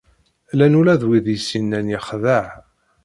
Llan ula d wid i s-yennan yexdeε.